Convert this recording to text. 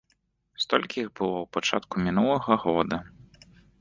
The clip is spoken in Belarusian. Столькі іх было ў пачатку мінулага года.